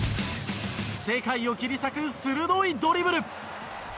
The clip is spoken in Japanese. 世界を切り裂く鋭いドリブル。